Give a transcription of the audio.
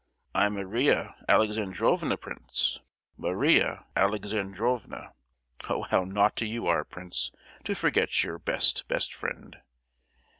"I'm Maria Alexandrovna, prince; Maria Alexandrovna! Oh! how naughty you are, Prince, to forget your best, best friend!"